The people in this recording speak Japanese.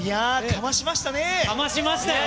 かましましたよ。